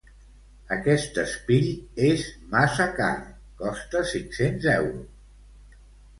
Aquest espill és massa car, costa cinc-cents euros!